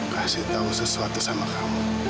kasih tahu sesuatu sama kamu